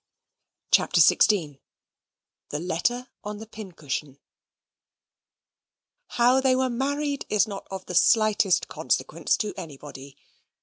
CHAPTER XVI The Letter on the Pincushion How they were married is not of the slightest consequence to anybody.